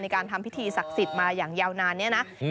ในการทำพิธีศักดิ์สิทธิ์มาอย่างนาน